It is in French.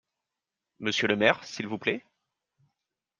Monsieur le maire, s’il vous plaît ?